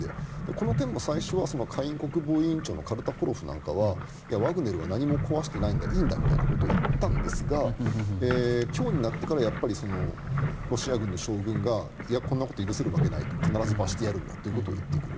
この件も最初は下院国防委員長はワグネルは何も壊していないんだいいんだ、なんてことを言ったんですが今日になってからロシア軍の将軍がこんなことは許せるわけない必ず罰してやるんだと言ってくる。